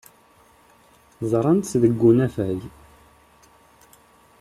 Ẓran-tt deg unafag.